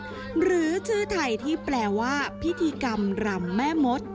หรือชื่อไทยที่แปลว่าพิธีกรรมรำแม่มด